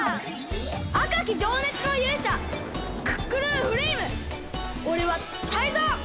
あかきじょうねつのゆうしゃクックルンフレイムおれはタイゾウ！